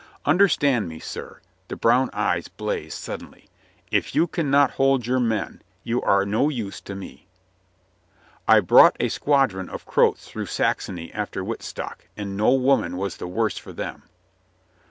Under stand me, sir," the brown eyes blazed suddenly, "if you can not hold your men, you are no use to me." "I brought a squadron of Croats through Saxony after Wittstock, and no woman was the worse for them."